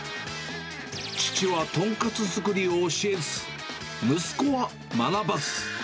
父は豚カツ作りを教えず、息子は学ばず。